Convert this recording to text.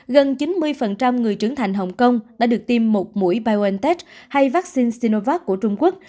gần chín mươi người trưởng thành hồng kông đã được tiêm một mũi biontech hay vaccine sinovac của trung quốc